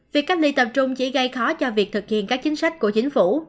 việc cách ly tập trung chỉ gây khó cho việc thực hiện các chính sách của chính phủ